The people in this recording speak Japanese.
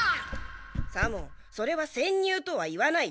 左門それは潜入とは言わない。